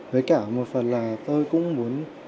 với cả một phần là tôi cũng muốn